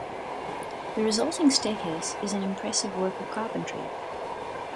The resulting staircase is an impressive work of carpentry.